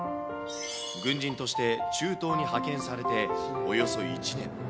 軍人として中東に派遣されておよそ１年。